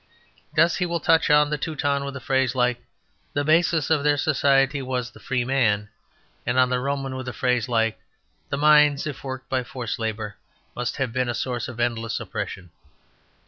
Thus he will touch on the Teuton with a phrase like "the basis of their society was the free man"; and on the Roman with a phrase like "the mines, if worked by forced labour, must have been a source of endless oppression."